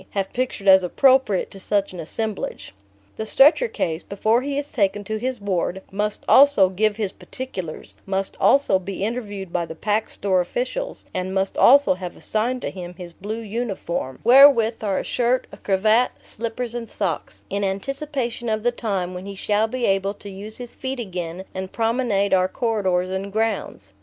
have pictured as appropriate to such an assemblage. The stretcher case, before he is taken to his ward, must also "give his particulars," must also be interviewed by the Pack Store officials, and must also have assigned to him his blue uniform (wherewith are a shirt, a cravat, slippers and socks) in anticipation of the time when he shall be able to use his feet again and promenade our corridors and grounds.